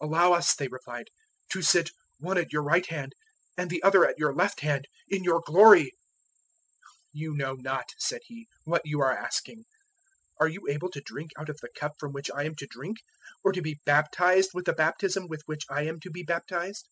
010:037 "Allow us," they replied, "to sit one at your right hand and the other at your left hand, in your glory." 010:038 "You know not," said He, "what you are asking. Are you able to drink out of the cup from which I am to drink, or to be baptized with the baptism with which I am to be baptized?"